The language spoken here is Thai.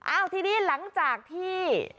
ทีนี้หลังจากที่